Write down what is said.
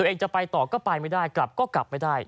ตัวเองจะไปต่อก็ไปไม่ได้กลับก็กลับไม่ได้